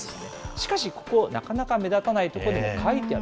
しかし、ここ、なかなか目立たないところに書いてある。